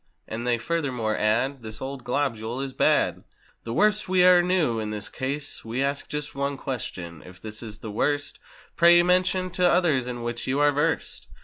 And they furthermore add: "This old globule is bad!" "The worst we e'er knew!" In this case We ask just one question—If this is the worst Pray mention the others in which you are versed.